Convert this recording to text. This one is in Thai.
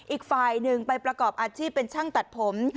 อีกฝ่ายหนึ่งไปประกอบอาชีพเป็นช่างตัดผม